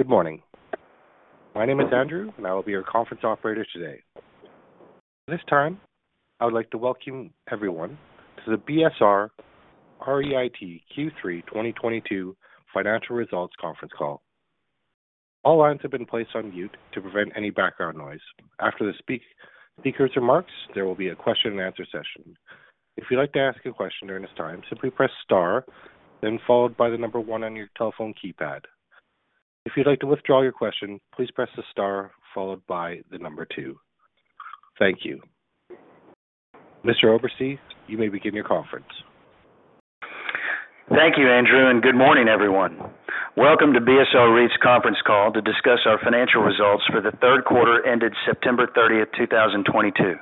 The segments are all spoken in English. Good morning. My name is Andrew, and I will be your conference operator today. At this time, I would like to welcome everyone to the BSR REIT Q3 2022 financial results conference call. All lines have been placed on mute to prevent any background noise. After the speakers' remarks, there will be a Q&A session. If you'd like to ask a question during this time, simply press star, then followed by the number one on your telephone keypad. If you'd like to withdraw your question, please press the star followed by the number 2. Thank you. Mr. Oberste, you may begin your conference. Thank you, Andrew, and good morning, everyone. Welcome to BSR REIT's conference call to discuss our financial results for the Q3 ended September 30, 2022.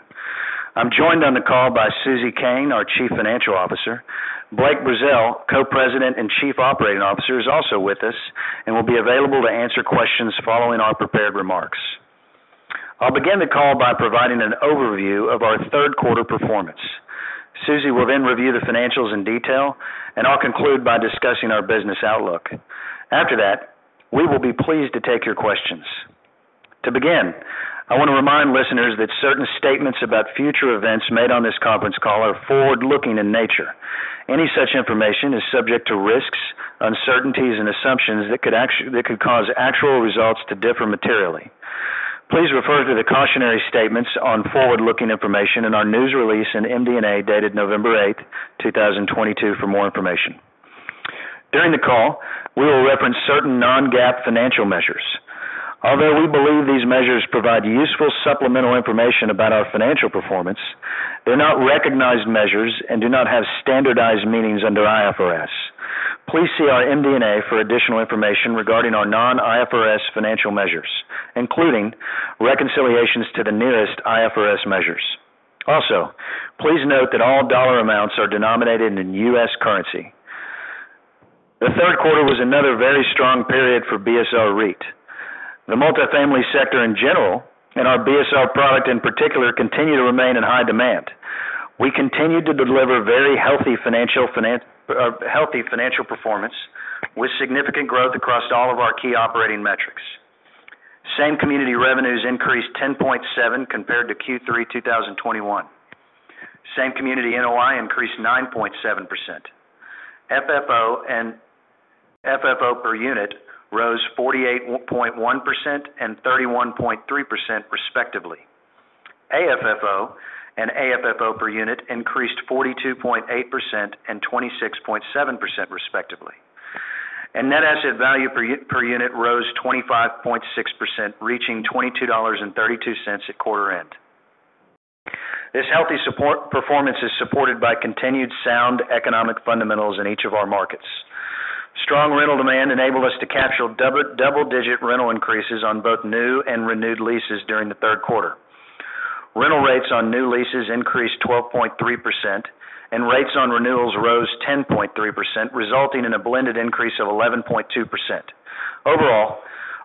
I'm joined on the call by Susie Koehn, our Chief Financial Officer. Blake Brazeal, Co-President and Chief Operating Officer, is also with us and will be available to answer questions following our prepared remarks. I'll begin the call by providing an overview of our Q3 performance. Susie will then review the financials in detail, and I'll conclude by discussing our business outlook. After that, we will be pleased to take your questions. To begin, I want to remind listeners that certain statements about future events made on this conference call are forward-looking in nature. Any such information is subject to risks, uncertainties, and assumptions that could cause actual results to differ materially. Please refer to the cautionary statements on forward-looking information in our news release in MD&A dated November 8, 2022 for more information. During the call, we will reference certain non-GAAP financial measures. Although we believe these measures provide useful supplemental information about our financial performance, they're not recognized measures and do not have standardized meanings under IFRS. Please see our MD&A for additional information regarding our non-IFRS financial measures, including reconciliations to the nearest IFRS measures. Also, please note that all dollar amounts are denominated in U.S. currency. The Q3 was another very strong period for BSR REIT. The multifamily sector in general, and our BSR product in particular, continue to remain in high demand. We continued to deliver very healthy financial performance with significant growth across all of our key operating metrics. Same community revenues increased 10.7% compared to Q3 2021. Same-community NOI increased 9.7%. FFO and FFO per unit rose 48.1% and 31.3% respectively. AFFO and AFFO per unit increased 42.8% and 26.7% respectively. Net asset value per unit rose 25.6%, reaching $22.32 at quarter end. This healthy performance is supported by continued sound economic fundamentals in each of our markets. Strong rental demand enabled us to capture double-digit rental increases on both new and renewed leases during the Q3. Rental rates on new leases increased 12.3%, and rates on renewals rose 10.3%, resulting in a blended increase of 11.2%. Overall,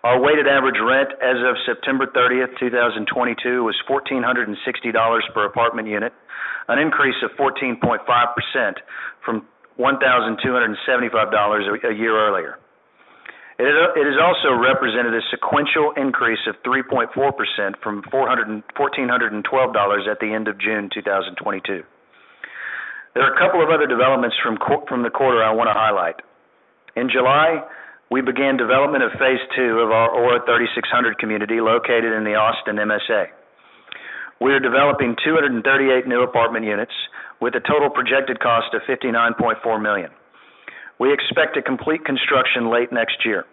our weighted average rent as of September 30, 2022 was $1,460 per apartment unit, an increase of 14.5% from $1,275 a year earlier. It has also represented a sequential increase of 3.4% from $1,412 at the end of June 2022. There are a couple of other developments from the quarter I wanna highlight. In July, we began development of phase 2 of our Aura 36Hundred community located in the Austin MSA. We are developing 238 new apartment units with a total projected cost of $59.4 million. We expect to complete construction late next year.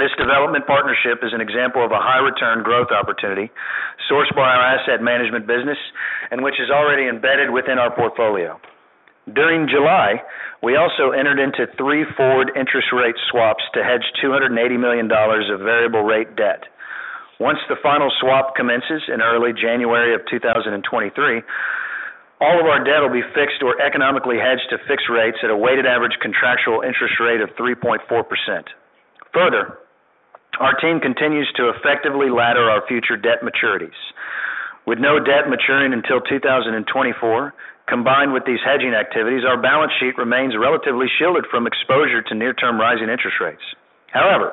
This development partnership is an example of a high return growth opportunity sourced by our asset management business and which is already embedded within our portfolio. During July, we also entered into 3 forward interest rate swaps to hedge $280 million of variable rate debt. Once the final swap commences in early January 2023, all of our debt will be fixed or economically hedged to fixed rates at a weighted average contractual interest rate of 3.4%. Further, our team continues to effectively ladder our future debt maturities. With no debt maturing until 2024, combined with these hedging activities, our balance sheet remains relatively shielded from exposure to near-term rising interest rates. However,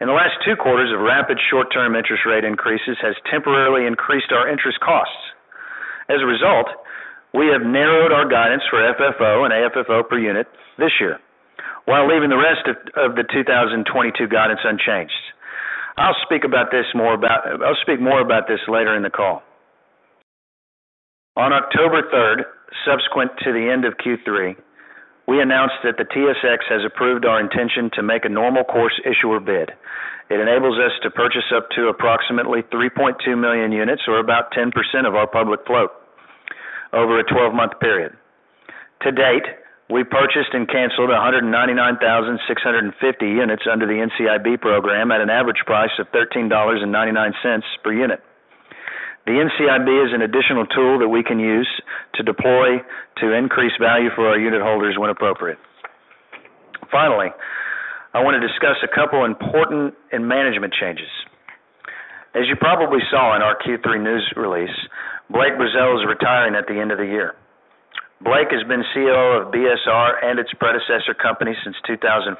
the last 2 quarters of rapid short-term interest rate increases have temporarily increased our interest costs. As a result, we have narrowed our guidance for FFO and AFFO per unit this year, while leaving the rest of the 2022 guidance unchanged. I'll speak more about this later in the call. On October 3, subsequent to the end of Q3, we announced that the TSX has approved our intention to make a normal course issuer bid. It enables us to purchase up to approximately 3.2 million units or about 10% of our public float over a 12-month period. To date, we purchased and canceled 199,650 units under the NCIB program at an average price of 13.99 dollars per unit. The NCIB is an additional tool that we can use to deploy to increase value for our unit holders when appropriate. Finally, I want to discuss a couple important management changes. As you probably saw in our Q3 news release, Blake Brazeal is retiring at the end of the year. Blake has been COO of BSR and its predecessor company since 2004.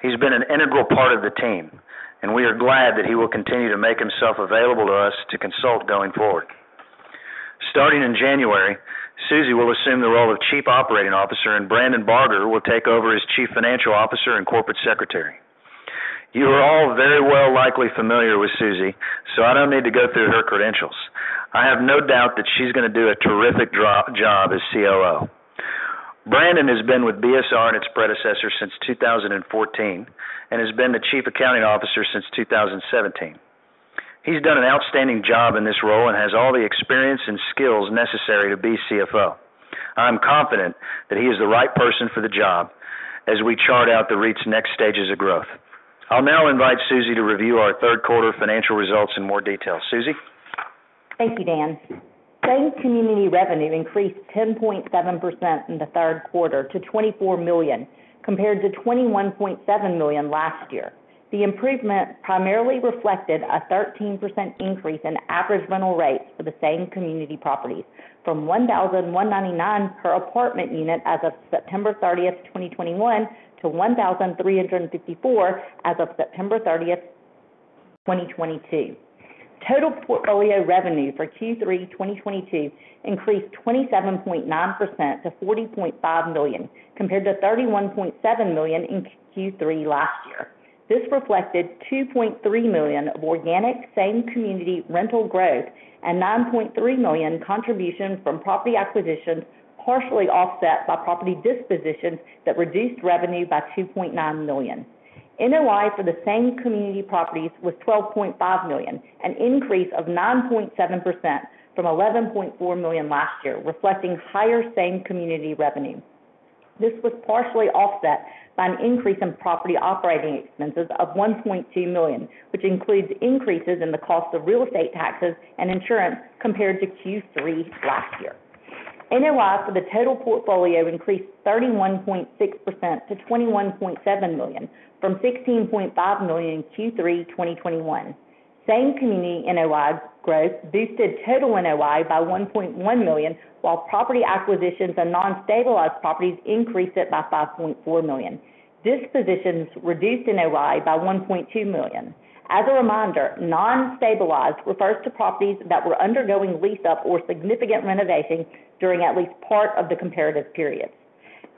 He's been an integral part of the team, and we are glad that he will continue to make himself available to us to consult going forward. Starting in January, Susie Koehn will assume the role of Chief Operating Officer, and Brandon Barger will take over as Chief Financial Officer and Corporate Secretary. You are all very well likely familiar with Susie, so I don't need to go through her credentials. I have no doubt that she's gonna do a terrific job as COO. Brandon has been with BSR and its predecessor since 2014 and has been the Chief Accounting Officer since 2017. He's done an outstanding job in this role and has all the experience and skills necessary to be CFO. I'm confident that he is the right person for the job as we chart out the REIT's next stages of growth. I'll now invite Susie to review our Q3 financial results in more detail. Susie. Thank you, Dan. Same community revenue increased 10.7% in the Q3 to $24 million, compared to $21.7 million last year. The improvement primarily reflected a 13% increase in average rental rates for the same community properties, from $1,199 per apartment unit as of September 30, 2021, to $1,354 as of September 30, 2022. Total portfolio revenue for Q3 2022 increased 27.9% to $40.5 million, compared to $31.7 million in Q3 last year. This reflected $2.3 million of organic same community rental growth and $9.3 million contributions from property acquisitions, partially offset by property dispositions that reduced revenue by $2.9 million. NOI for the same community properties was $12.5 million, an increase of 9.7% from $11.4 million last year, reflecting higher same community revenue. This was partially offset by an increase in property operating expenses of $1.2 million, which includes increases in the cost of real estate taxes and insurance compared to Q3 last year. NOI for the total portfolio increased 31.6% to $21.7 million, from $16.5 million in Q3 2021. Same community NOI growth boosted total NOI by $1.1 million, while property acquisitions and non-stabilized properties increased it by $5.4 million. Dispositions reduced NOI by $1.2 million. As a reminder, non-stabilized refers to properties that were undergoing lease up or significant renovation during at least part of the comparative period.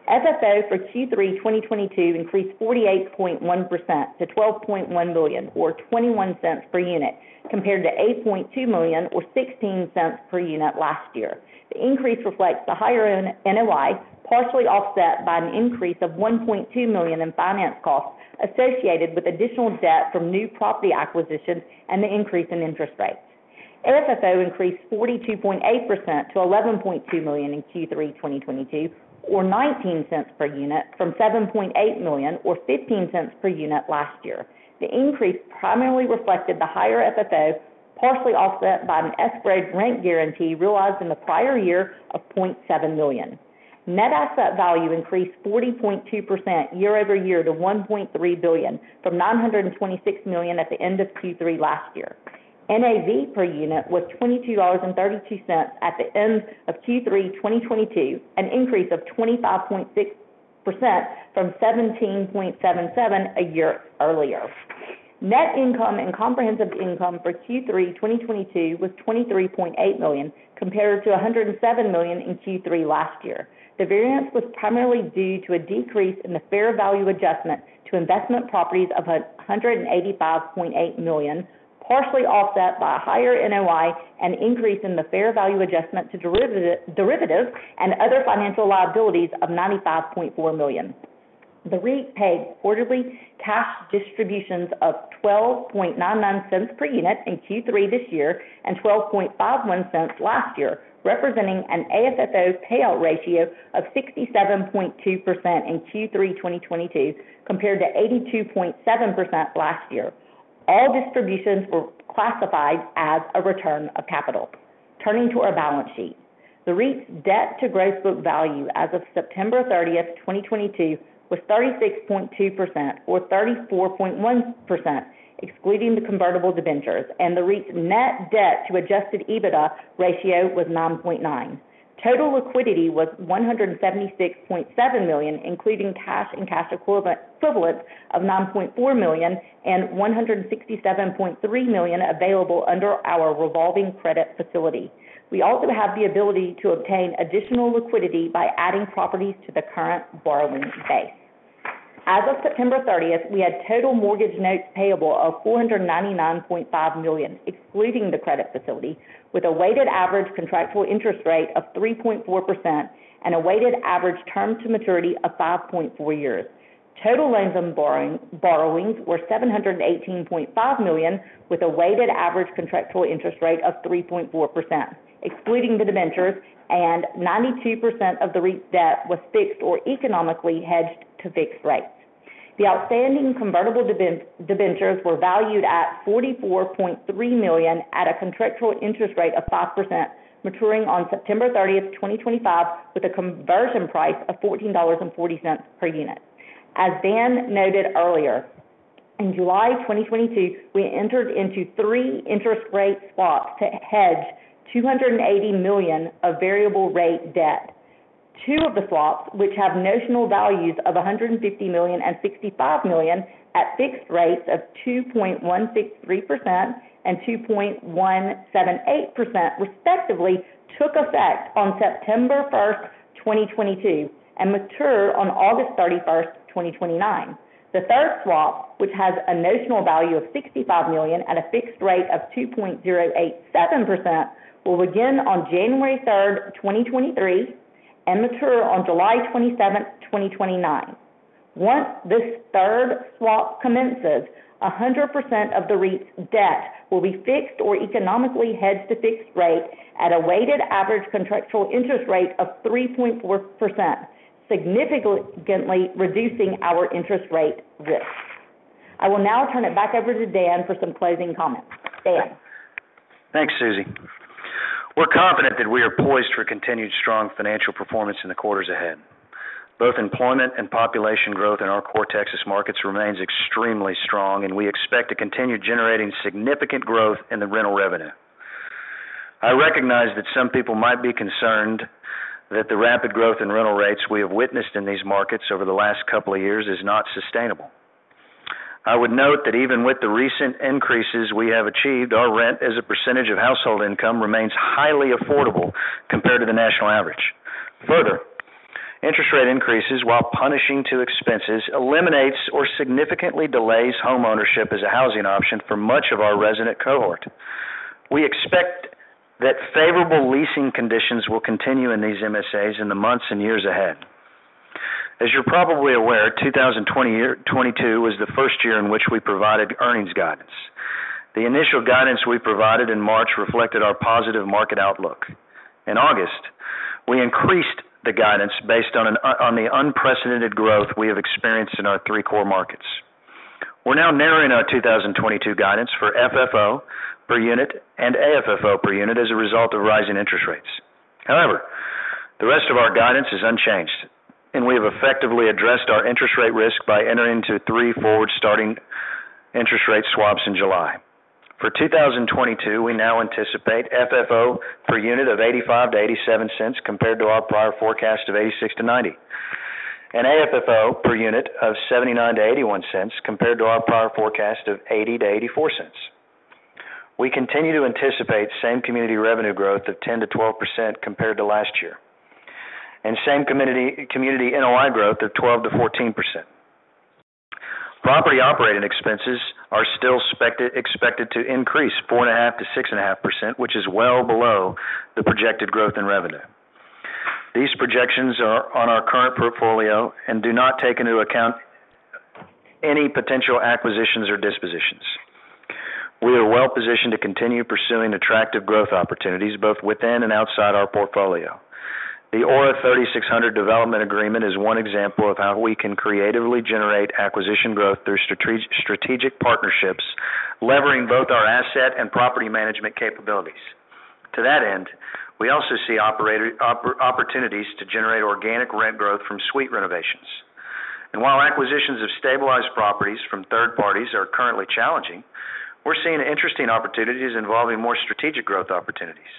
FFO for Q3 2022 increased 48.1% to $12.1 million, or $0.21 per unit, compared to $8.2 million or $0.16 per unit last year. The increase reflects the higher NOI, partially offset by an increase of $1.2 million in finance costs associated with additional debt from new property acquisitions and the increase in interest rates. FFO increased 42.8% to $11.2 million in Q3 2022, or $0.19 per unit from $7.8 million or $0.15 per unit last year. The increase primarily reflected the higher NOI, partially offset by a straight-line rent guarantee realized in the prior year of $0.7 million. Net asset value increased 40.2% year-over-year to $1.3 billion, from $926 million at the end of Q3 last year. NAV per unit was $22.32 at the end of Q3 2022, an increase of 25.6% from $17.77 a year earlier. Net income and comprehensive income for Q3 2022 was $23.8 million, compared to $107 million in Q3 last year. The variance was primarily due to a decrease in the fair value adjustment to investment properties of $185.8 million, partially offset by a higher NOI and increase in the fair value adjustment to derivatives and other financial liabilities of $95.4 million. The REIT paid quarterly cash distributions of 0.1299 per unit in Q3 this year and 0.1251 last year, representing an AFFO payout ratio of 67.2% in Q3 2022, compared to 82.7% last year. All distributions were classified as a return of capital. Turning to our balance sheet. The REIT's debt to gross book value as of September 30, 2022, was 36.2% or 34.1% excluding the convertible debentures, and the REIT's net debt to adjusted EBITDA ratio was 9.9. Total liquidity was $176.7 million, including cash and cash equivalents of $9.4 million and $167.3 million available under our revolving credit facility. We also have the ability to obtain additional liquidity by adding properties to the current borrowing base. As of September 30th, we had total mortgage notes payable of $499.5 million, excluding the credit facility, with a weighted average contractual interest rate of 3.4% and a weighted average term to maturity of 5.4 years. Total loans and borrowings were $718.5 million, with a weighted average contractual interest rate of 3.4%, excluding the debentures, and 92% of the REIT's debt was fixed or economically hedged to fixed rates. The outstanding convertible debentures were valued at $44.3 million at a contractual interest rate of 5% maturing on September 30, 2025, with a conversion price of $14.40 per unit. As Dan noted earlier, in July 2022, we entered into 3 interest rate swaps to hedge $280 million of variable rate debt. 2 of the swaps, which have notional values of $150 million and $65 million at fixed rates of 2.163% and 2.178% respectively, took effect on September 1, 2022, and mature on August 31, 2029. The third swap, which has a notional value of $65 million at a fixed rate of 2.087%, will begin on January 3, 2023, and mature on July 27, 2029. Once this third swap commences, 100% of the REIT's debt will be fixed or economically hedged to fixed rate at a weighted average contractual interest rate of 3.4%, significantly reducing our interest rate risk. I will now turn it back over to Dan for some closing comments. Dan? Thanks, Susie. We're confident that we are poised for continued strong financial performance in the quarters ahead. Both employment and population growth in our core Texas markets remains extremely strong, and we expect to continue generating significant growth in the rental revenue. I recognize that some people might be concerned that the rapid growth in rental rates we have witnessed in these markets over the last couple of years is not sustainable. I would note that even with the recent increases we have achieved, our rent as a percentage of household income remains highly affordable compared to the national average. Further, interest rate increases, while punishing to expenses, eliminates or significantly delays homeownership as a housing option for much of our resident cohort. We expect that favorable leasing conditions will continue in these MSAs in the months and years ahead. As you're probably aware, 2022 was the first year in which we provided earnings guidance. The initial guidance we provided in March reflected our positive market outlook. In August, we increased the guidance based on the unprecedented growth we have experienced in our 3 core markets. We're now narrowing our 2022 guidance for FFO per unit and AFFO per unit as a result of rising interest rates. However, the rest of our guidance is unchanged, and we have effectively addressed our interest rate risk by entering into 3 forward-starting interest rate swaps in July. For 2022, we now anticipate FFO per unit of $0.85-$0.87 compared to our prior forecast of $0.86-$0.90, and AFFO per unit of $0.79-$0.81 compared to our prior forecast of $0.80-$0.84. We continue to anticipate same community revenue growth of 10%-12% compared to last year, and same community NOI growth of 12%-14%. Property operating expenses are still expected to increase 4.5%-6.5%, which is well below the projected growth in revenue. These projections are on our current portfolio and do not take into account any potential acquisitions or dispositions. We are well positioned to continue pursuing attractive growth opportunities both within and outside our portfolio. The Aura 36Hundred development agreement is one example of how we can creatively generate acquisition growth through strategic partnerships, levering both our asset and property management capabilities. To that end, we also see opportunities to generate organic rent growth from suite renovations. While acquisitions of stabilized properties from third parties are currently challenging, we're seeing interesting opportunities involving more strategic growth opportunities.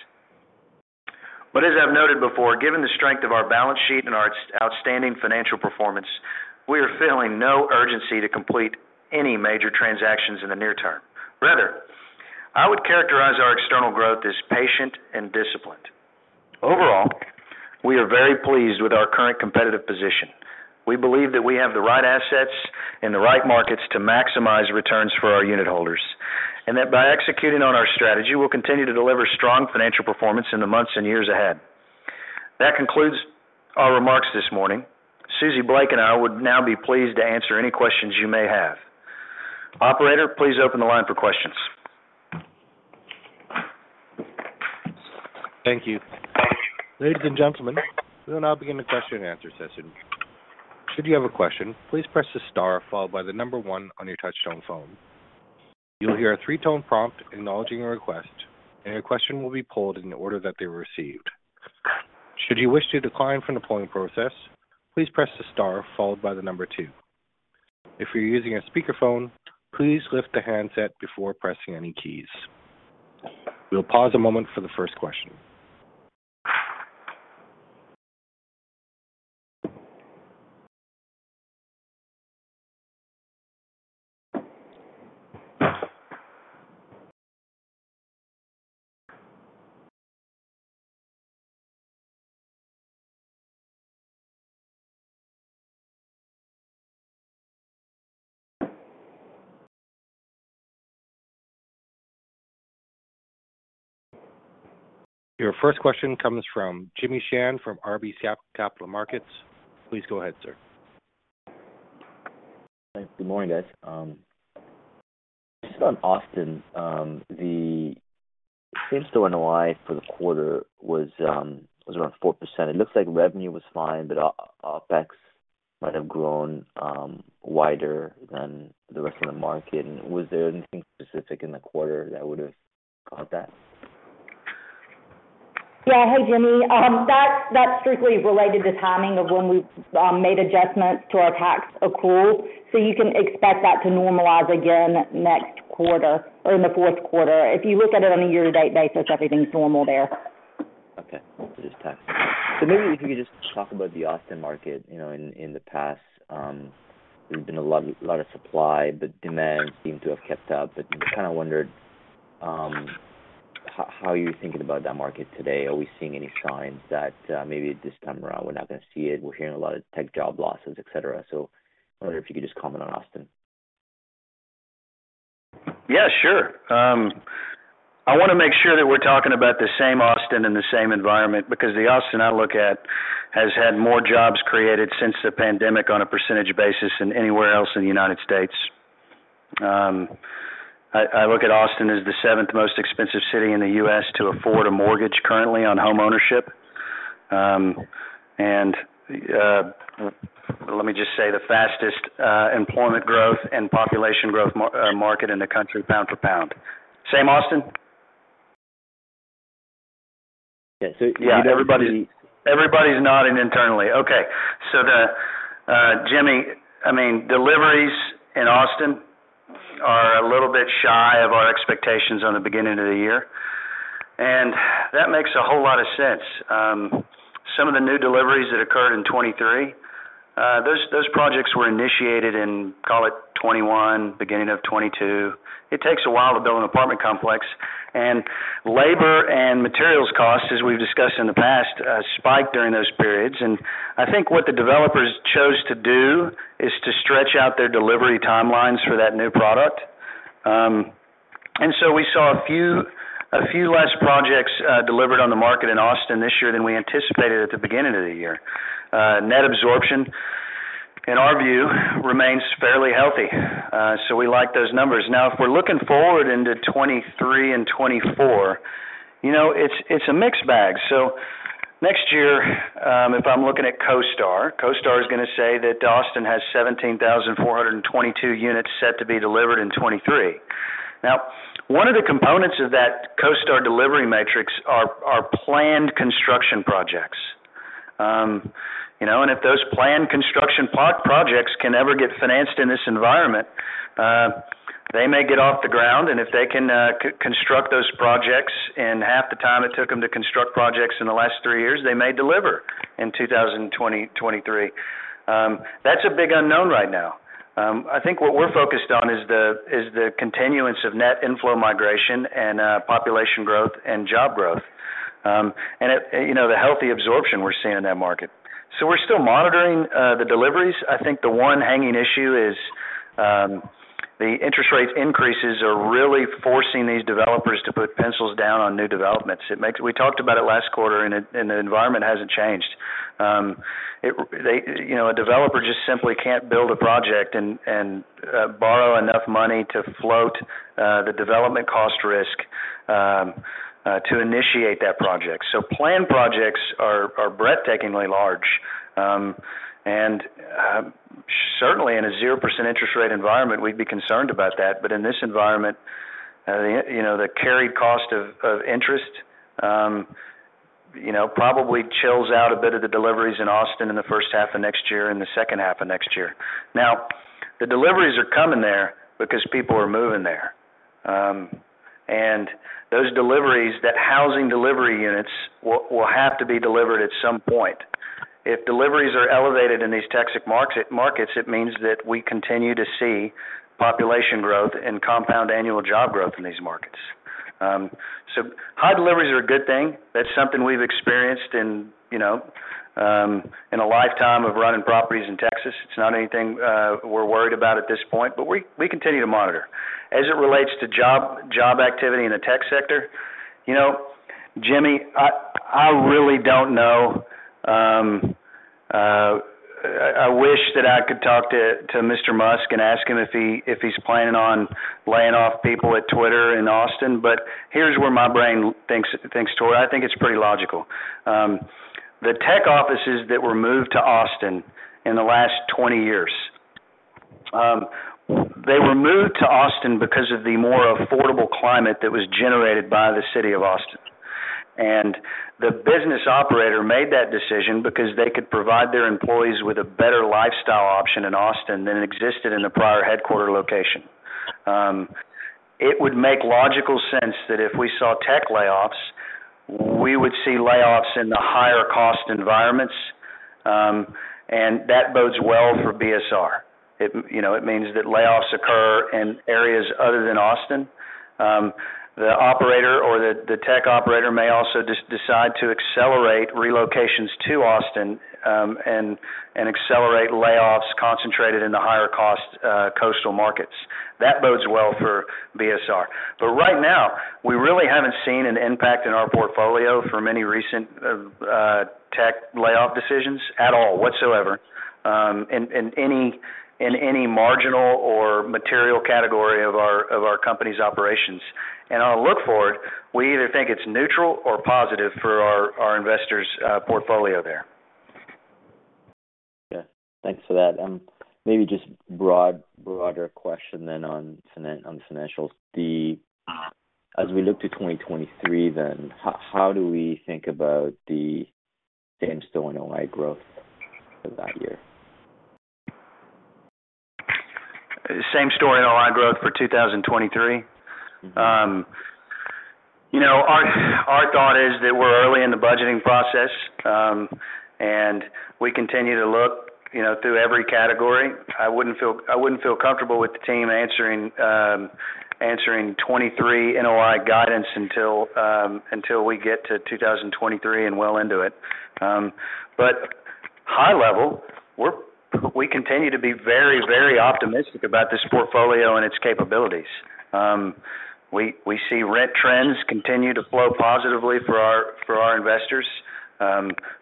As I've noted before, given the strength of our balance sheet and our outstanding financial performance, we are feeling no urgency to complete any major transactions in the near term. Rather, I would characterize our external growth as patient and disciplined. Overall, we are very pleased with our current competitive position. We believe that we have the right assets and the right markets to maximize returns for our unitholders, and that by executing on our strategy, we'll continue to deliver strong financial performance in the months and years ahead. That concludes our remarks this morning. Susie, Blake, and I would now be pleased to answer any questions you may have. Operator, please open the line for questions. Thank you. Ladies and gentlemen, we will now begin the Q&A session. Should you have a question, please press the star followed by the number one on your touchtone phone. You'll hear a 3-tone prompt acknowledging your request, and your question will be pulled in the order that they were received. Should you wish to decline from the polling process, please press the star followed by the number 2. If you're using a speakerphone, please lift the handset before pressing any keys. We'll pause a moment for the first question. Your first question comes from Jimmy Shan from RBC Capital Markets. Please go ahead, sir. Good morning, guys. Just on Austin, the same store NOI for the quarter was around 4%. It looks like revenue was fine, but OpEx might have grown wider than the rest of the market. Was there anything specific in the quarter that would have caught that? Yeah. Hey, Jimmy. That's strictly related to timing of when we've made adjustments to our tax accrual. You can expect that to normalize again next quarter or in the Q4. If you look at it on a year-to-date basis, everything's normal there. Okay. Just to ask. Maybe if you could just talk about the Austin market. You know, in the past, there's been a lot of supply, but demand seemed to have kept up. I kind of wondered, how you're thinking about that market today. Are we seeing any signs that, maybe this time around we're not gonna see it? We're hearing a lot of tech job losses, et cetera. I wonder if you could just comment on Austin. Yeah, sure. I wanna make sure that we're talking about the same Austin and the same environment because the Austin I look at has had more jobs created since the pandemic on a percentage basis than anywhere else in the United States. I look at Austin as the 7th most expensive city in the U.S. to afford a mortgage currently on homeownership. Let me just say, the fastest employment growth and population growth market in the country pound for pound. Same Austin? Yeah. Yeah. Everybody's nodding internally. Okay. Jimmy, I mean, deliveries in Austin are a little bit shy of our expectations on the beginning of the year, and that makes a whole lot of sense. Some of the new deliveries that occurred in 2023, those projects were initiated in, call it, 2021, beginning of 2022. It takes a while to build an apartment complex. Labor and materials costs, as we've discussed in the past, spiked during those periods. I think what the developers chose to do is to stretch out their delivery timelines for that new product. We saw a few less projects delivered on the market in Austin this year than we anticipated at the beginning of the year. Net absorption, in our view, remains fairly healthy. We like those numbers. Now, if we're looking forward into 2023 and 2024, you know, it's a mixed bag. Next year, if I'm looking at CoStar is gonna say that Austin has 17,422 units set to be delivered in 2023. Now, one of the components of that CoStar delivery matrix are planned construction projects. You know, if those planned construction projects can ever get financed in this environment, they may get off the ground. If they can, construct those projects in half the time it took them to construct projects in the last 3 years, they may deliver in 2023. That's a big unknown right now. I think what we're focused on is the continuance of net inflow migration and population growth and job growth, and it. You know, the healthy absorption we're seeing in that market. We're still monitoring the deliveries. I think the one hanging issue is the interest rate increases are really forcing these developers to put pencils down on new developments. We talked about it last quarter, and the environment hasn't changed. You know, a developer just simply can't build a project and borrow enough money to float the development cost risk to initiate that project. Planned projects are breathtakingly large. Certainly in a 0% interest rate environment, we'd be concerned about that. In this environment, you know, the carried cost of interest, you know, probably chills out a bit of the deliveries in Austin in the H1 of next year and the H2 of next year. The deliveries are coming there because people are moving there. Those deliveries, that housing delivery units will have to be delivered at some point. If deliveries are elevated in these Texan markets, it means that we continue to see population growth and compound annual job growth in these markets. High deliveries are a good thing. That's something we've experienced in, you know, in a lifetime of running properties in Texas. It's not anything we're worried about at this point. We continue to monitor. As it relates to job activity in the tech sector, you know, Jimmy, I really don't know. I wish that I could talk to Mr. Musk and ask him if he's planning on laying off people at Twitter in Austin. Here's where my brain thinks toward. I think it's pretty logical. The tech offices that were moved to Austin in the last 20 years, they were moved to Austin because of the more affordable climate that was generated by the city of Austin. The business operator made that decision because they could provide their employees with a better lifestyle option in Austin than existed in the prior headquarters location. It would make logical sense that if we saw tech layoffs, we would see layoffs in the higher cost environments, and that bodes well for BSR. You know, it means that layoffs occur in areas other than Austin. The operator or the tech operator may also decide to accelerate relocations to Austin, and accelerate layoffs concentrated in the higher cost coastal markets. That bodes well for BSR. But right now, we really haven't seen an impact in our portfolio from any recent tech layoff decisions at all whatsoever, in any marginal or material category of our company's operations. Looking forward, we either think it's neutral or positive for our investors' portfolio there. Thanks for that. Maybe just a broader question then on financials. As we look to 2023 then, how do we think about the same-store NOI growth for that year? Same-store NOI growth for 2023. Mm-hmm. You know, our thought is that we're early in the budgeting process, and we continue to look, you know, through every category. I wouldn't feel comfortable with the team answering 2023 NOI guidance until we get to 2023 and well into it. High level, we're very, very optimistic about this portfolio and its capabilities. We see rent trends continue to flow positively for our investors.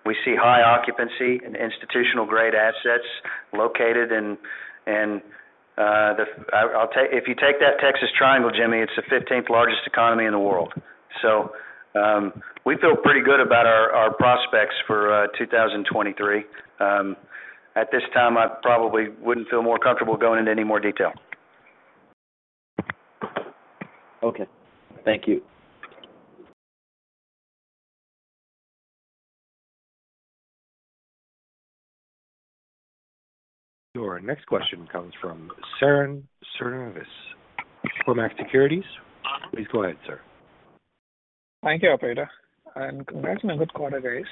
We see high occupancy and institutional-grade assets located in. I'll tell you, if you take that Texas Triangle, Jimmy, it's the 15th largest economy in the world. We feel pretty good about our prospects for 2023. At this time, I probably wouldn't feel more comfortable going into any more detail. Okay. Thank you. Your next question comes from Sairam Srinivas, Cormark Securities. Please go ahead, sir. Thank you, operator, and congrats on a good quarter, guys.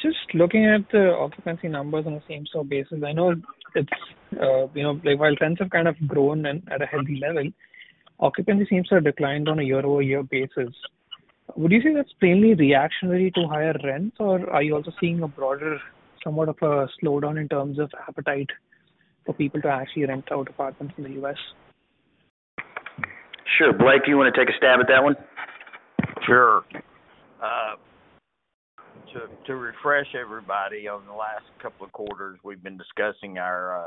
Just looking at the occupancy numbers on a same-store basis, I know it's while rents have kind of grown and at a healthy level, occupancy seems to have declined on a year-over-year basis. Would you say that's mainly reactionary to higher rents, or are you also seeing a broader, somewhat of a slowdown in terms of appetite for people to actually rent out apartments in the U.S.? Sure. Blake, you wanna take a stab at that one? Sure. To refresh everybody on the last couple of quarters, we've been discussing our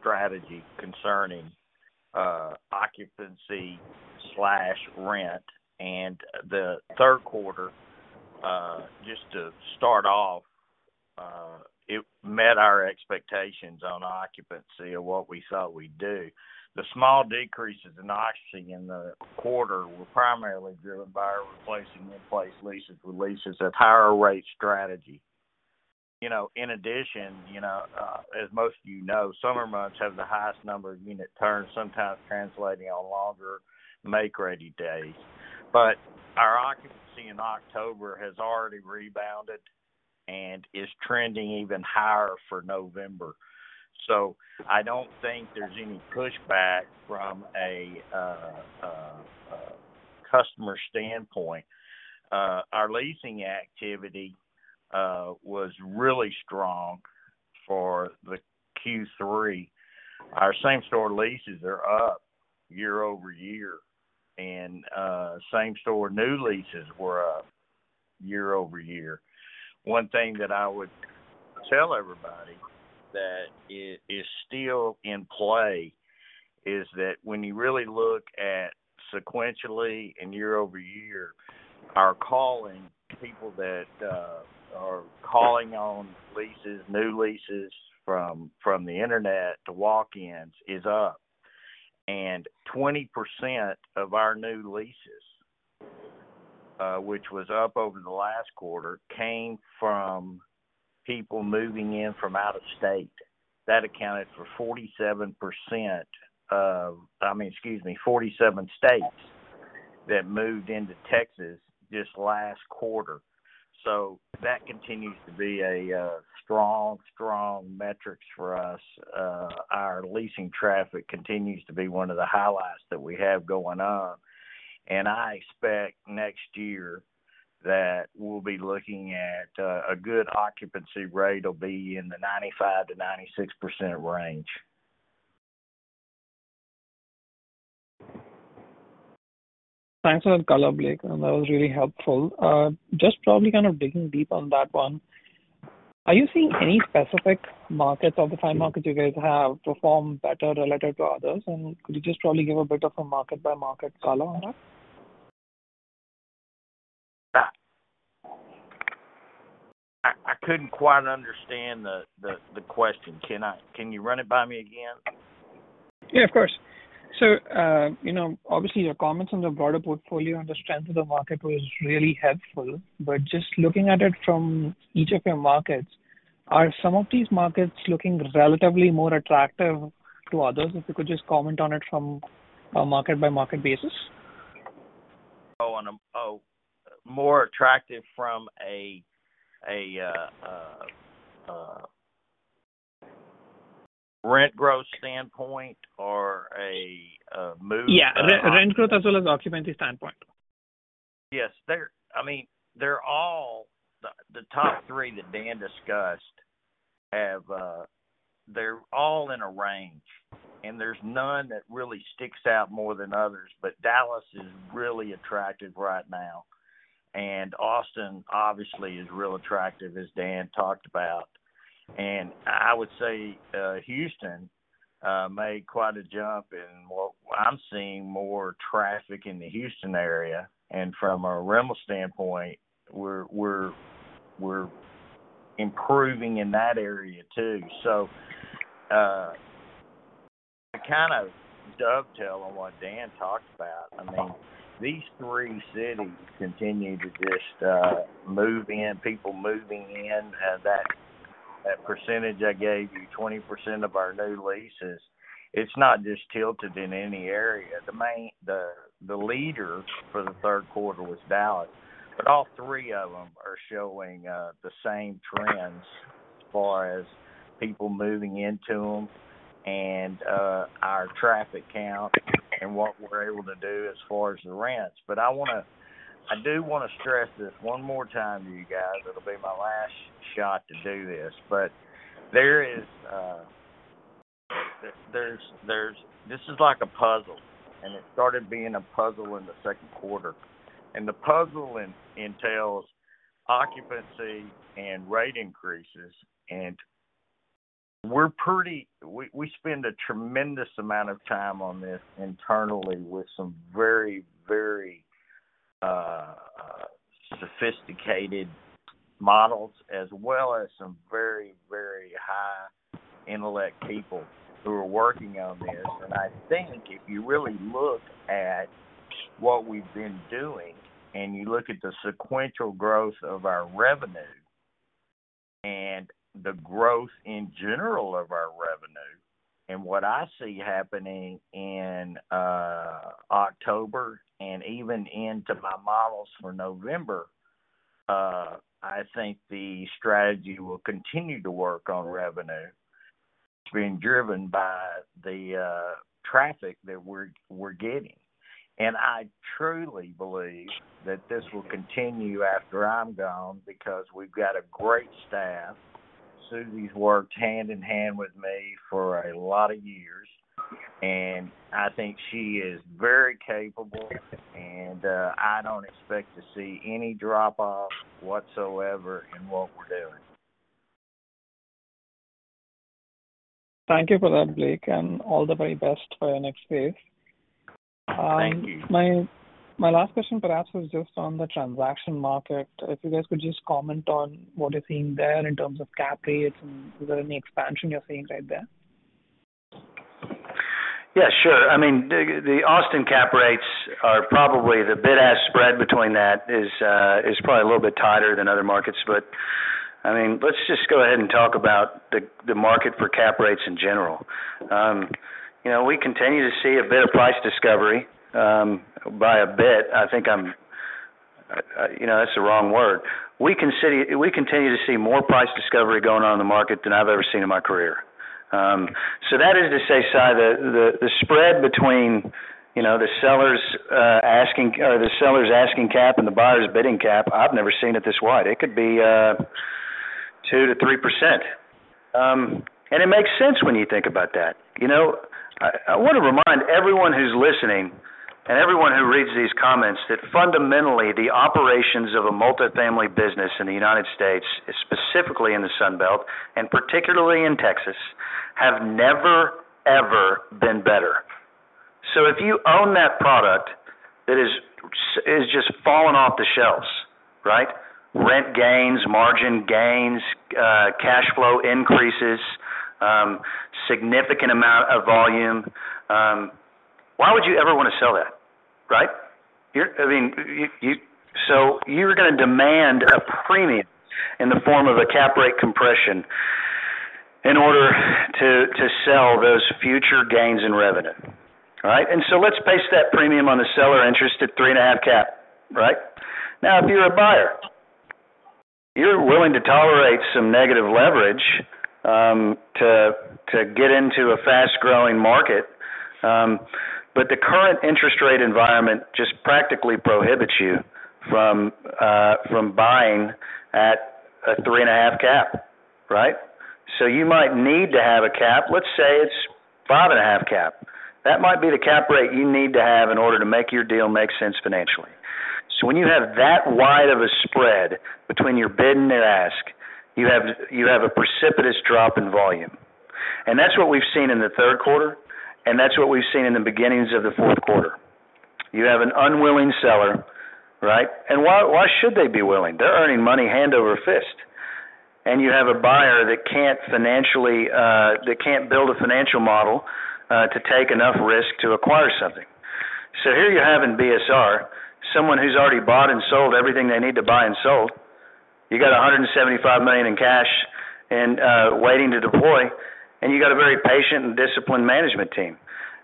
strategy concerning occupancy and rent. The Q3, just to start off, it met our expectations on occupancy of what we thought we'd do. The small decreases in occupancy in the quarter were primarily driven by replacing in-place leases with leases at higher-rate strategy. You know, in addition, you know, as most of you know, summer months have the highest number of unit turns, sometimes translating to longer make-ready days. Our occupancy in October has already rebounded and is trending even higher for November. I don't think there's any pushback from a customer standpoint. Our leasing activity was really strong for the Q3. Our same-store leases are up year-over-year, and same-store new leases were up year-over-year. One thing that I would tell everybody that is still in play is that when you really look at sequentially and year over year, our calling people that are calling on leases, new leases from the internet to walk-ins is up. Twenty percent of our new leases, which was up over the last quarter, came from people moving in from out of state. That accounted for 47 states that moved into Texas this last quarter. That continues to be a strong metrics for us. Our leasing traffic continues to be one of the highlights that we have going on. I expect next year that we'll be looking at a good occupancy rate will be in the 95%-96% range. Thanks for that color, Blake. That was really helpful. Just probably kind of digging deep on that one. Are you seeing any specific markets of the 5 markets you guys have perform better relative to others? Could you just probably give a bit of a market-by-market color on that? I couldn't quite understand the question. Can you run it by me again? Yeah, of course. You know, obviously your comments on the broader portfolio and the strength of the market was really helpful. Just looking at it from each of your markets, are some of these markets looking relatively more attractive to others? If you could just comment on it from a market-by-market basis. More attractive from a rent growth standpoint or a move- Yeah, rent growth as well as occupancy standpoint. Yes. The top 3 that Dan discussed have they're all in a range, and there's none that really sticks out more than others. Dallas is really attractive right now, and Austin obviously is real attractive, as Dan talked about. I would say, Houston made quite a jump and, well, I'm seeing more traffic in the Houston area, and from a rental standpoint, we're improving in that area too. to kind of dovetail on what Dan talked about, I mean, these 3 cities continue to just move in, people moving in. that percentage I gave you, 20% of our new leases, it's not just tilted in any area. The leader for the Q3 was Dallas, but all 3 of them are showing the same trends as far as people moving into them and our traffic count and what we're able to do as far as the rents. I do wanna stress this one more time to you guys. It'll be my last shot to do this. This is like a puzzle, and it started being a puzzle in the Q2. The puzzle entails occupancy and rate increases, and we spend a tremendous amount of time on this internally with some very sophisticated models as well as some very high intellect people who are working on this. I think if you really look at what we've been doing and you look at the sequential growth of our revenue and the growth in general of our revenue and what I see happening in October and even into my models for November, I think the strategy will continue to work on revenue. It's being driven by the traffic that we're getting. I truly believe that this will continue after I'm gone because we've got a great staff. Susie's worked hand in hand with me for a lot of years, and I think she is very capable, and I don't expect to see any drop-off whatsoever in what we're doing. Thank you for that, Blake, and all the very best for your next phase. Thank you. My last question perhaps was just on the transaction market. If you guys could just comment on what you're seeing there in terms of cap rates and is there any expansion you're seeing right there? Yeah, sure. I mean, the Austin cap rates are probably a little bit tighter than other markets. I mean, let's just go ahead and talk about the market for cap rates in general. You know, we continue to see a bit of price discovery. You know, that's the wrong word. We continue to see more price discovery going on in the market than I've ever seen in my career. That is to say, Sai, the spread between, you know, the sellers' asking cap and the buyer's bidding cap. I've never seen it this wide. It could be 2%-3%. It makes sense when you think about that. You know, I wanna remind everyone who's listening and everyone who reads these comments that fundamentally the operations of a multifamily business in the United States, specifically in the Sun Belt and particularly in Texas, have never, ever been better. If you own that product, it is just falling off the shelves, right? Rent gains, margin gains, cash flow increases, significant amount of volume. Why would you ever wanna sell that, right? I mean, you're gonna demand a premium in the form of a cap rate compression in order to sell those future gains in revenue, right? Let's base that premium on the seller interest at 3.5% cap, right? Now, if you're a buyer, you're willing to tolerate some negative leverage to get into a fast-growing market. The current interest rate environment just practically prohibits you from buying at a 3.5 cap, right? You might need to have a cap. Let's say it's 5.5 cap. That might be the cap rate you need to have in order to make your deal make sense financially. When you have that wide of a spread between your bid and ask, you have a precipitous drop in volume. That's what we've seen in the Q3, and that's what we've seen in the beginnings of the Q4. You have an unwilling seller, right? Why should they be willing? They're earning money hand over fist. You have a buyer that can't build a financial model to take enough risk to acquire something. Here you have in BSR, someone who's already bought and sold everything they need to buy and sold. You got $175 million in cash and waiting to deploy, and you got a very patient and disciplined management team.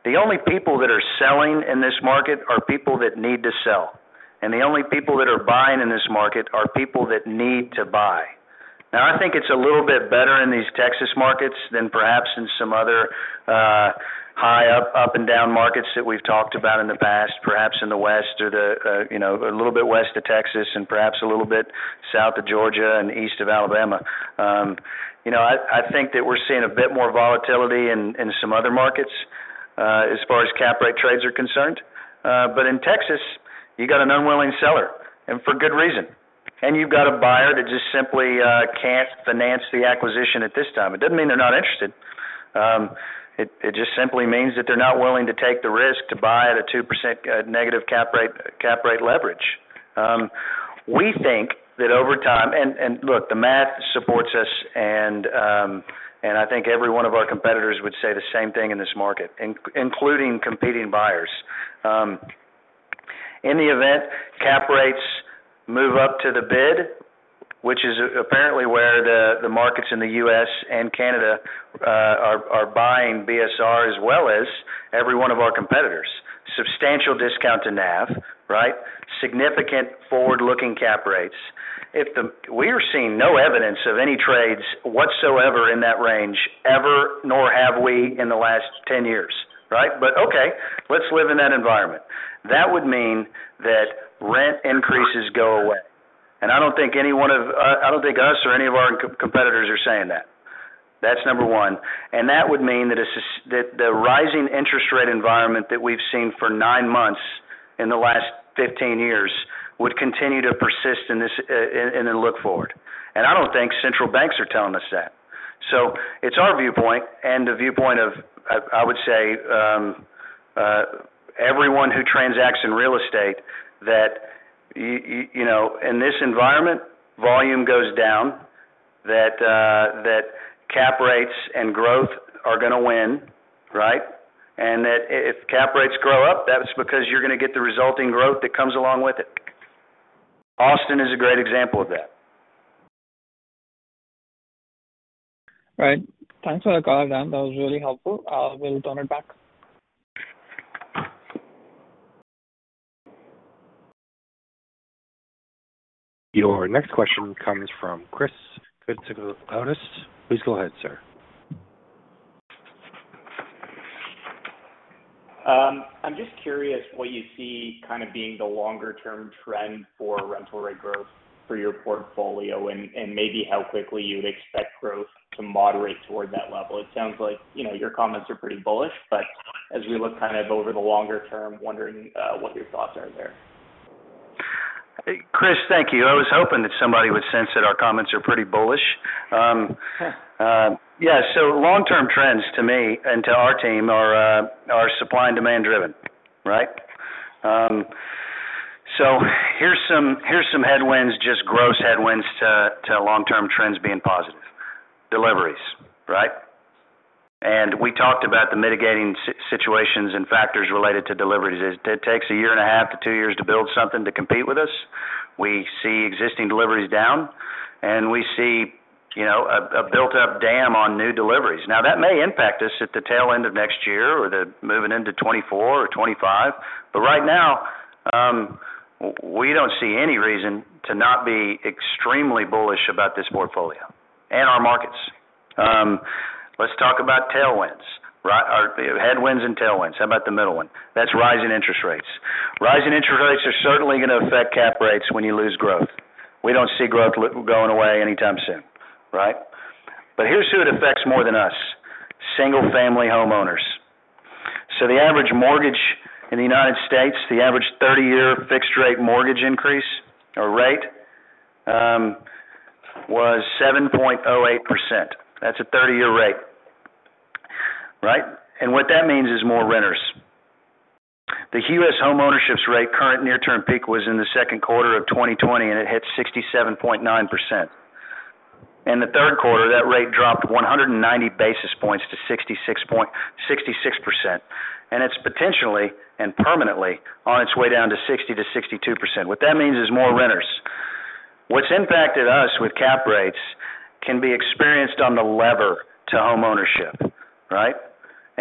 The only people that are selling in this market are people that need to sell, and the only people that are buying in this market are people that need to buy. Now, I think it's a little bit better in these Texas markets than perhaps in some other, high up and down markets that we've talked about in the past, perhaps in the west or the, you know, a little bit west of Texas and perhaps a little bit south of Georgia and east of Alabama. You know, I think that we're seeing a bit more volatility in some other markets. As cap rate trades are concerned. In Texas, you got an unwilling seller and for good reason. You've got a buyer that just simply can't finance the acquisition at this time. It doesn't mean they're not interested. It just simply means that they're not willing to take the risk to buy at a 2% negative cap rate leverage. We think that over time. Look, the math supports us and I think every one of our competitors would say the same thing in this market, including competing buyers. In the event cap rates move up to the bid, which is apparently where the markets in the U.S. and Canada are buying BSR as well as every one of our competitors. Substantial discount to NAV, right? Significant forward-looking cap rates. We are seeing no evidence of any trades whatsoever in that range ever, nor have we in the last 10 years, right? Okay, let's live in that environment. That would mean that rent increases go away. I don't think us or any of our competitors are saying that. That's number one. That would mean that the rising interest rate environment that we've seen for 9 months in the last 15 years would continue to persist in this, in the look forward. I don't think central banks are telling us that. It's our viewpoint and the viewpoint of, I would say, everyone who transacts in real estate that you know, in this environment, volume goes down, that that cap rates and growth are gonna win, right? That if cap rates grow up, that's because you're gonna get the resulting growth that comes along with it. Austin is a great example of that. Right. Thanks for the call, Dan. That was really helpful. I'll turn it back. Your next question comes from Chris Koutsikaloudis with Canaccord Genuity. Please go ahead, sir. I'm just curious what you see kind of being the longer term trend for rental rate growth for your portfolio and maybe how quickly you would expect growth to moderate toward that level. It sounds like, you know, your comments are pretty bullish, but as we look kind of over the longer term, wondering what your thoughts are there. Chris, thank you. I was hoping that somebody would sense that our comments are pretty bullish. Yeah. Long-term trends to me and to our team are supply and demand-driven, right? Here's some headwinds, just gross headwinds to long-term trends being positive. Deliveries, right? We talked about the mitigating situations and factors related to deliveries. It takes 1.5 years to 2 years to build something to compete with us. We see existing deliveries down, and we see, you know, a built-up dam on new deliveries. Now, that may impact us at the tail end of next year or the moving into 2024 or 2025. But right now, we don't see any reason to not be extremely bullish about this portfolio and our markets. Let's talk about tailwinds, or headwinds and tailwinds. How about the middle one? That's rising interest rates. Rising interest rates are certainly gonna affect cap rates when you lose growth. We don't see growth going away anytime soon, right? Here's who it affects more than us: single-family homeowners. The average mortgage in the United States, the average thirty-year fixed rate mortgage increase or rate, was 7.08%. That's a thirty-year rate, right? What that means is more renters. The U.S. homeownership rate current near-term peak was in the Q2 of 2020, and it hit 67.9%. In the Q3, that rate dropped 190 basis points to 66%. It's potentially and permanently on its way down to 60%-62%. What that means is more renters. What's impacted us with cap rates can be experienced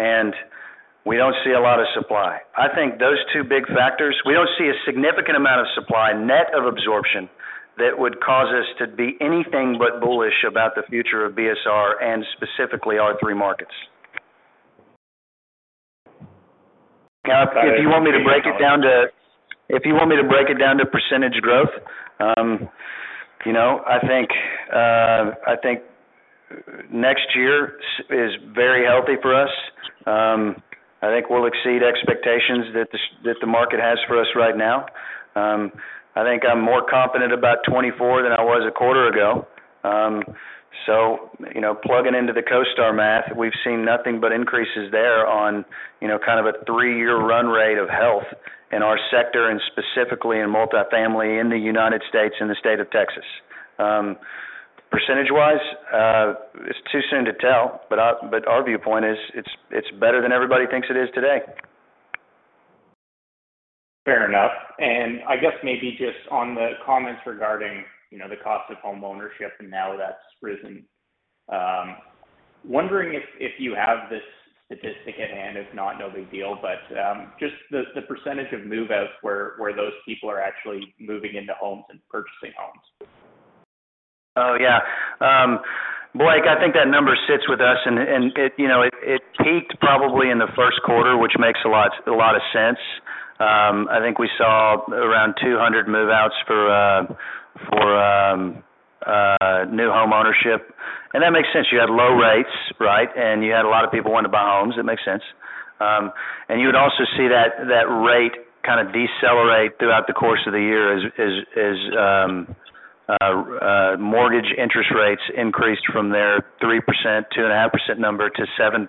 on the lever to homeownership, right? We don't see a lot of supply. I think those 2 big factors. We don't see a significant amount of supply net of absorption that would cause us to be anything but bullish about the future of BSR and specifically our 3 markets. Now, if you want me to break it down to percentage growth, you know, I think next year is very healthy for us. I think we'll exceed expectations that the market has for us right now. I think I'm more confident about 2024 than I was a quarter ago. You know, plugging into the CoStar math, we've seen nothing but increases there on, you know, kind of a 3-year run rate of health in our sector and specifically in multifamily in the United States and the state of Texas. Percentage-wise, it's too soon to tell, but our viewpoint is it's better than everybody thinks it is today. Fair enough. I guess maybe just on the comments regarding, you know, the cost of homeownership and how that's risen, wondering if you have this statistic at hand. If not, no big deal. Just the percentage of move-outs where those people are actually moving into homes and purchasing homes. Yeah. Blake, I think that number sits with us and it, you know, it peaked probably in the Q1, which makes a lot of sense. I think we saw around 200 move-outs for new home ownership. That makes sense. You had low rates, right? You had a lot of people wanting to buy homes. It makes sense. You would also see that rate kind of decelerate throughout the course of the year as mortgage interest rates increased from their 3%, 2.5% number to 7%.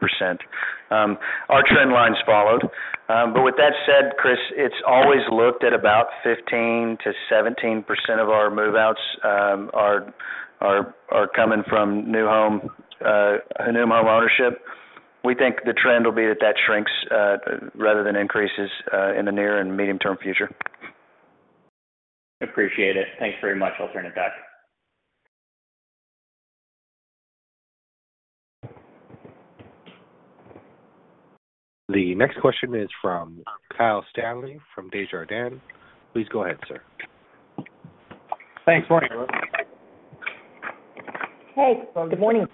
Our trend lines followed. But with that said, Chris, it's always looked at about 15%-17% of our move-outs are coming from new home ownership. We think the trend will be that shrinks, rather than increases, in the near and medium-term future. Appreciate it. Thanks very much. I'll turn it back. The next question is from Kyle Stanley from Desjardins. Please go ahead, sir. Thanks. Morning, everyone. Hey, good morning.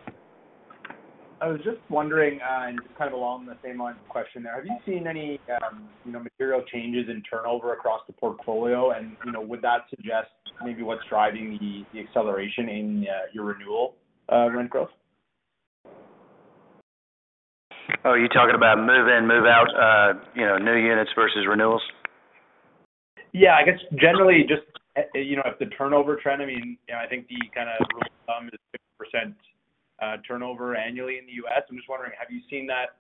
I was just wondering, and just kind of along the same lines of question there. Have you seen any, you know, material changes in turnover across the portfolio? You know, would that suggest maybe what's driving the acceleration in your renewal rent growth? Oh, are you talking about move-in, move-out, you know, new units versus renewals? Yeah, I guess generally just, you know, if the turnover trend, I mean, you know, I think the kind of rule of thumb is 60% turnover annually in the U.S. I'm just wondering, have you seen that,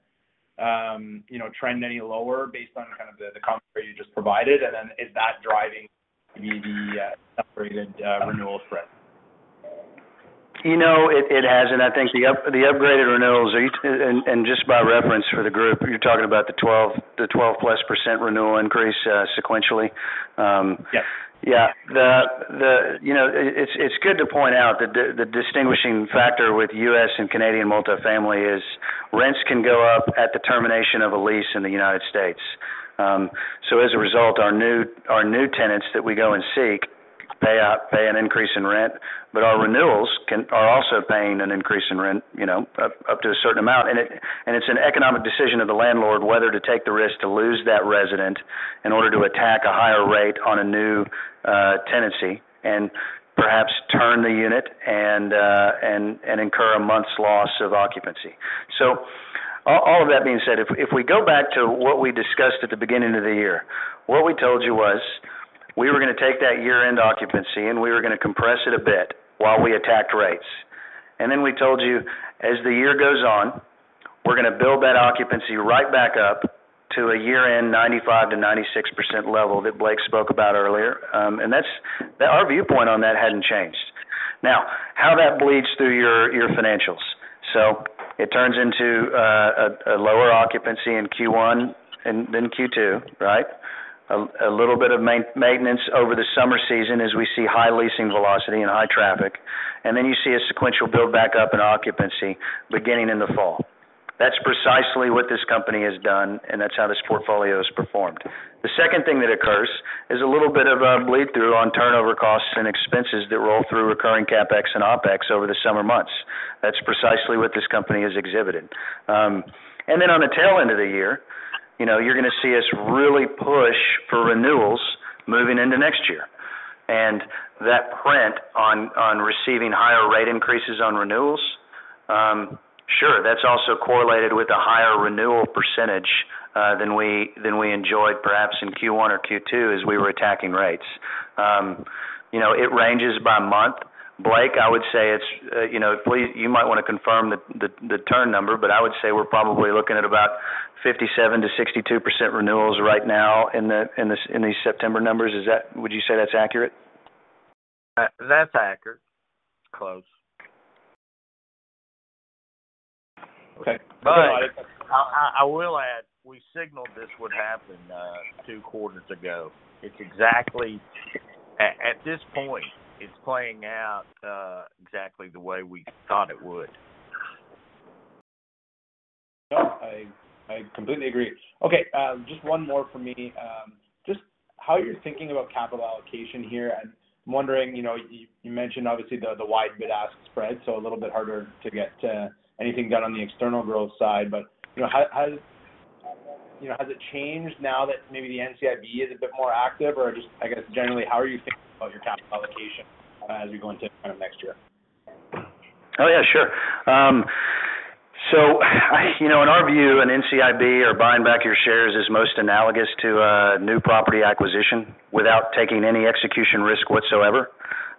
you know, trend any lower based on kind of the comp rate you just provided? Then is that driving the upgraded renewal spread? You know, it has and I think the upgraded renewals are. Just by reference for the group, you're talking about the 12%+ renewal increase, sequentially. Yes. Yeah. You know, it's good to point out that the distinguishing factor with U.S. and Canadian multifamily is rents can go up at the termination of a lease in the United States. So as a result, our new tenants that we go and seek pay an increase in rent, but our renewals are also paying an increase in rent, you know, up to a certain amount. It's an economic decision of the landlord whether to take the risk to lose that resident in order to attract a higher rate on a new tenancy and perhaps turn the unit and incur a month's loss of occupancy. All of that being said, if we go back to what we discussed at the beginning of the year, what we told you was, we were gonna take that year-end occupancy, and we were gonna compress it a bit while we attacked rates. Then we told you, as the year goes on, we're gonna build that occupancy right back up to a year-end 95%-96% level that Blake spoke about earlier. That's our viewpoint on that hadn't changed. Now, how that bleeds through your financials. It turns into a lower occupancy in Q1 than Q2, right? A little bit of maintenance over the summer season as we see high leasing velocity and high traffic. Then you see a sequential build back up in occupancy beginning in the fall. That's precisely what this company has done, and that's how this portfolio has performed. The second thing that occurs is a little bit of a bleed through on turnover costs and expenses that roll through recurring CapEx and OpEx over the summer months. That's precisely what this company has exhibited. On the tail end of the year, you know, you're gonna see us really push for renewals moving into next year. That print on receiving higher rate increases on renewals, sure, that's also correlated with a higher renewal percentage than we enjoyed perhaps in Q1 or Q2 as we were attacking rates. You know, it ranges by month. Blake, I would say it's, you know, please, you might wanna confirm the turn number, but I would say we're probably looking at about 57%-62% renewals right now in these September numbers. Would you say that's accurate? That's accurate. Close. Okay. I will add, we signaled this would happen 2 quarters ago. It's exactly at this point, it's playing out exactly the way we thought it would. No, I completely agree. Okay, just one more for me. Just how you're thinking about capital allocation here. I'm wondering, you know, you mentioned obviously the wide bid-ask spread, so a little bit harder to get anything done on the external growth side. You know, how has it changed now that maybe the NCIB is a bit more active? Or just, I guess, generally, how are you thinking about your capital allocation as you go into kind of next year? Oh, yeah, sure. You know, in our view, an NCIB or buying back your shares is most analogous to a new property acquisition without taking any execution risk whatsoever.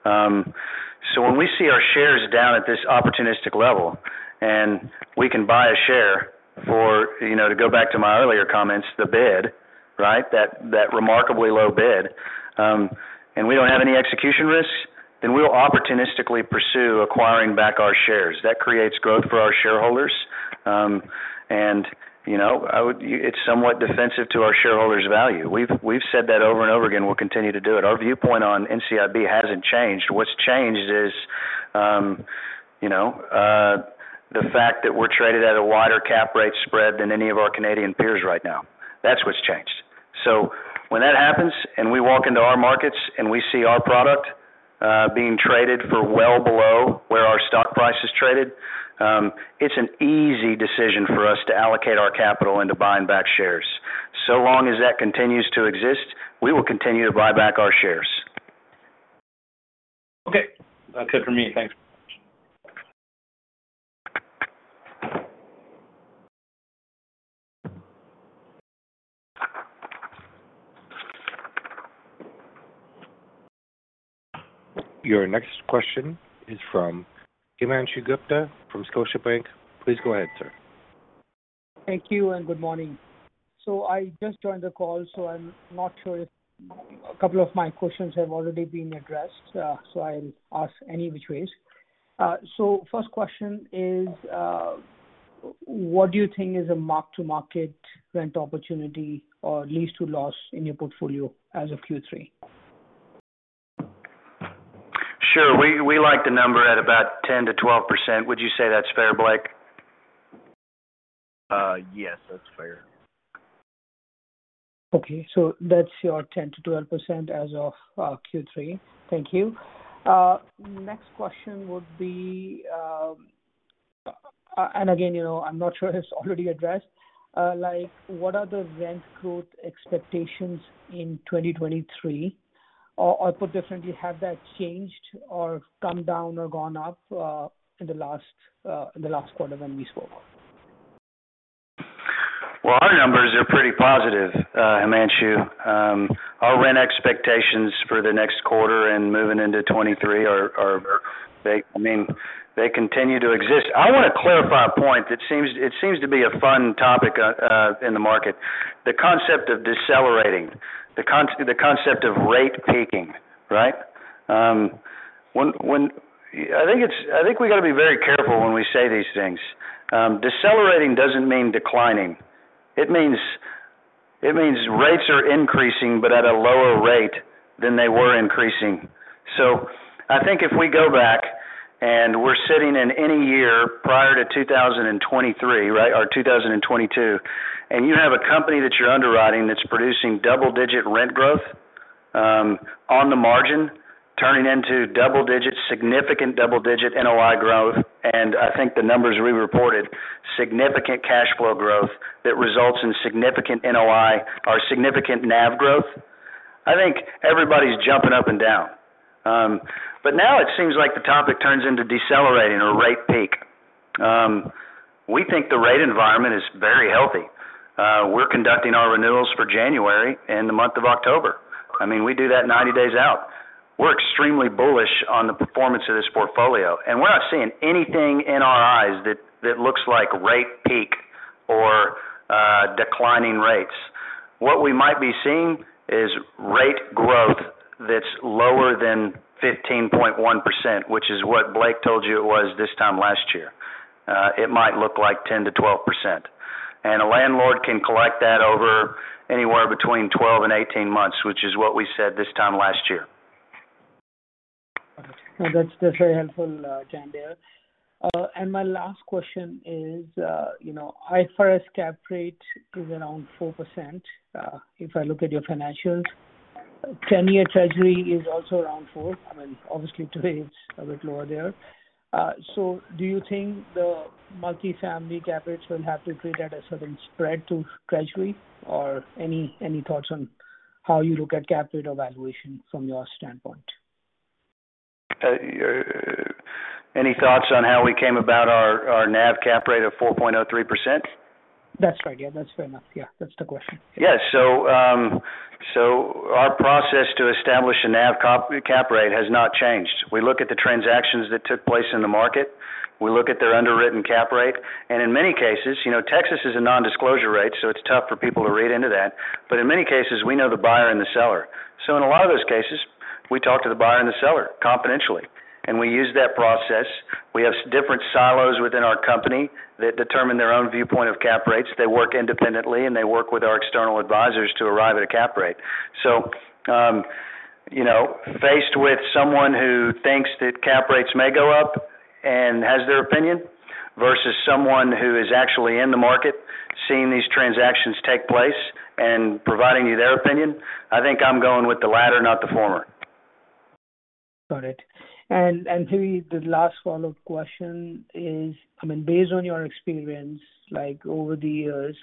When we see our shares down at this opportunistic level and we can buy a share for, you know, to go back to my earlier comments, the bid, right? That remarkably low bid, and we don't have any execution risks, then we'll opportunistically pursue acquiring back our shares. That creates growth for our shareholders. You know, it's somewhat defensive to our shareholders' value. We've said that over and over again, we'll continue to do it. Our viewpoint on NCIB hasn't changed. What's changed is, you know, the fact that we're traded at a wider cap rate spread than any of our Canadian peers right now. That's what's changed. When that happens, and we walk into our markets, and we see our product, being traded for well below where our stock price is traded, it's an easy decision for us to allocate our capital into buying back shares. So long as that continues to exist, we will continue to buy back our shares. Okay, that's it for me. Thanks. Your next question is from Himanshu Gupta from Scotiabank. Please go ahead, sir. Thank you and good morning. I just joined the call, so I'm not sure if a couple of my questions have already been addressed. I'll ask anyway. First question is, what do you think is a mark-to-market rent opportunity or lease-to-lease in your portfolio as of Q3? Sure. We like the number at about 10%-12%. Would you say that's fair, Blake? Yes, that's fair. Okay. That's your 10%-12% as of Q3. Thank you. Next question would be, again, you know, I'm not sure it's already addressed, like what are the rent growth expectations in 2023? Or put differently, have that changed or come down or gone up, in the last quarter when we spoke? Well, our numbers are pretty positive, Himanshu. Our rent expectations for the next quarter and moving into 2023 are. They, I mean, they continue to exist. I wanna clarify a point that seems to be a fun topic in the market, the concept of decelerating, the concept of rate peaking, right? I think we gotta be very careful when we say these things. Decelerating doesn't mean declining. It means rates are increasing, but at a lower rate than they were increasing. I think if we go back and we're sitting in any year prior to 2023, right, or 2022, and you have a company that you're underwriting that's producing double-digit rent growth on the margin, turning into double-digit. Significant double-digit NOI growth, and I think the numbers we reported, significant cash flow growth that results in significant NOI or significant NAV growth, I think everybody's jumping up and down. Now it seems like the topic turns into decelerating or rate peak. We think the rate environment is very healthy. We're conducting our renewals for January in the month of October. I mean, we do that 90 days out. We're extremely bullish on the performance of this portfolio, and we're not seeing anything in our eyes that looks like rate peak or declining rates. What we might be seeing is rate growth that's lower than 15.1%, which is what Blake told you it was this time last year. It might look like 10%-12%. A landlord can collect that over anywhere between 12 and 18 months, which is what we said this time last year. Okay. No, that's very helpful, Jim, there. My last question is, you know, IFRS cap rate is around 4%, if I look at your financials. 10-year Treasury is also around 4. I mean, obviously today it's a bit lower there. Do you think the multi-family cap rates will have to trade at a certain spread to treasury? Or any thoughts on how you look at cap rate or valuation from your standpoint? Any thoughts on how we came about our NAV cap rate of 4.03%? That's right. Yeah, that's fair enough. Yeah, that's the question. Yeah. Our process to establish a NAV cap rate has not changed. We look at the transactions that took place in the market. We look at their underwritten cap rate. In many cases, you know, Texas is a non-disclosure state, so it's tough for people to read into that. In many cases, we know the buyer and the seller. In a lot of those cases, we talk to the buyer and the seller confidentially, and we use that process. We have different silos within our company that determine their own viewpoint of cap rates. They work independently, and they work with our external advisors to arrive at a cap rate. You know, faced with someone who thinks that cap rates may go up and has their opinion, versus someone who is actually in the market seeing these transactions take place and providing you their opinion, I think I'm going with the latter, not the former. Got it. Maybe the last follow-up question is, I mean, based on your experience, like over the years,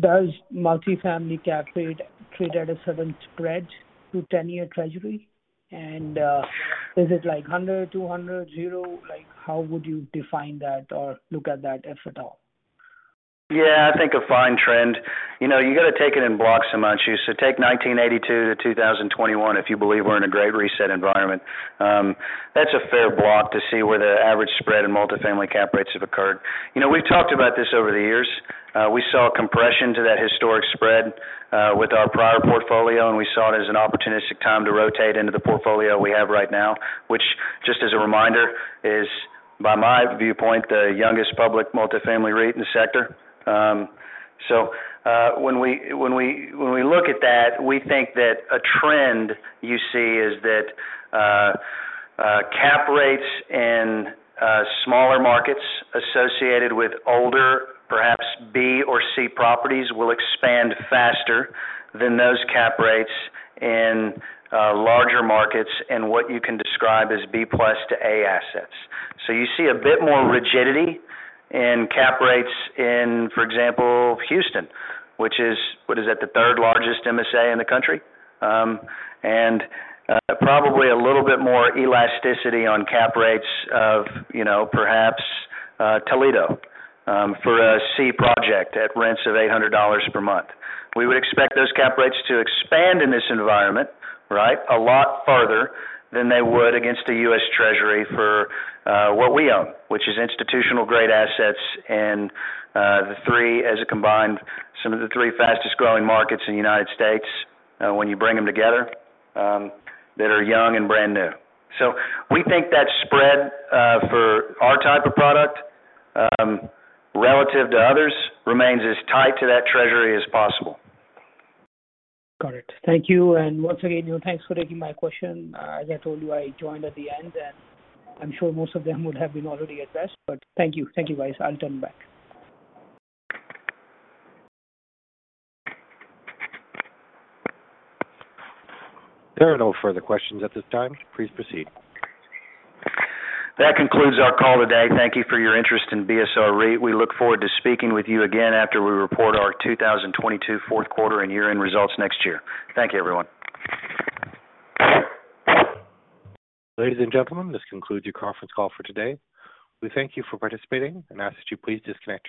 does multifamily cap rate trade at a certain spread to 10-year Treasury? And is it like 100, 200, 0? Like how would you define that or look at that, if at all? Yeah. I think a fine trend. You know, you gotta take it in blocks, Himanshu. Take 1982 to 2021 if you believe we're in a great reset environment. That's a fair block to see where the average spread in multifamily cap rates have occurred. You know, we've talked about this over the years. We saw a compression to that historic spread, with our prior portfolio, and we saw it as an opportunistic time to rotate into the portfolio we have right now, which just as a reminder is, by my viewpoint, the youngest public multifamily REIT in the sector. When we look at that, we think that a trend you see is that cap rates in smaller markets associated with older, perhaps B or C properties, will expand faster than those cap rates in larger markets and what you can describe as B plus to A assets. You see a bit more rigidity in cap rates in, for example, Houston, which is the third largest MSA in the country. Probably a little bit more elasticity on cap rates of, you know, perhaps Toledo, for a C project at rents of $800 per month. We would expect those cap rates to expand in this environment, right, a lot farther than they would against the U.S. Treasury for what we own, which is institutional-grade assets and the 3 as a combined, some of the 3 fastest-growing markets in the United States, when you bring them together, that are young and brand new. We think that spread for our type of product, relative to others, remains as tight to that treasury as possible. Got it. Thank you. Once again, you know, thanks for taking my question. As I told you, I joined at the end, and I'm sure most of them would have been already addressed, but thank you. Thank you, guys. I'll turn back. There are no further questions at this time. Please proceed. That concludes our call today. Thank you for your interest in BSR REIT. We look forward to speaking with you again after we report our 2022 Q4 and year-end results next year. Thank you, everyone. Ladies and gentlemen, this concludes your conference call for today. We thank you for participating and ask that you please disconnect your.